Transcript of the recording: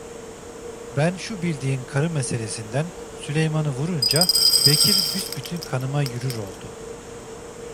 Ben, şu bildiğin karı meselesinden Süleyman'ı vurunca, Bekir büsbütün kanıma yürür oldu.